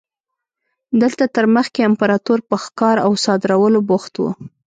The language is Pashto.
دلته تر مخکې امپراتور په ښکار او صادرولو بوخت و.